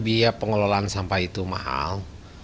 biaya pengelolaan sampah itu mahal